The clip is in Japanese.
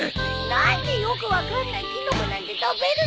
何でよく分かんないキノコなんて食べるのさ。